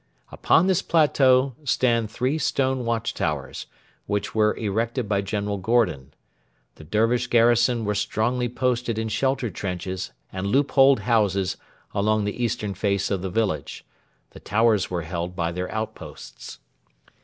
Upon this plateau stand three stone watch towers, which were erected by General Gordon. The Dervish garrison were strongly posted in shelter trenches and loop holed houses along the eastern face of the village. The towers were held by their outposts.